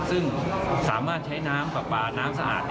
ซึ่งสามารถใช้น้ำปากปาน้ำสะอาดในรังออกได้